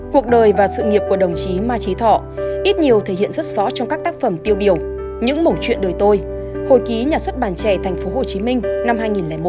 cuộc đời và sự nghiệp của đồng chí ma trí thọ ít nhiều thể hiện rất rõ trong các tác phẩm tiêu biểu những mẫu chuyện đời tôi hội ký nhà xuất bản trẻ tp hcm năm hai nghìn một